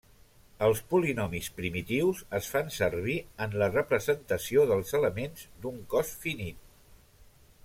Els polinomis primitius es fan servir en la representació dels elements d'un cos finit.